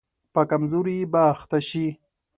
په کمزوري به اخته شي.